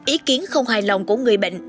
ý kiến không hài lòng của người bệnh